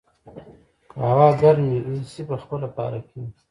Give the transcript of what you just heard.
که هوا ګرمه وي، اې سي په خپله فعاله کېږي.